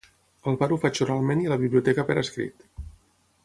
Al bar ho faig oralment i a la biblioteca per escrit.